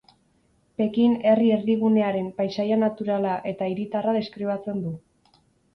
Pekin herri-erdigunearen paisaia naturala eta hiritarra deskribatzen du.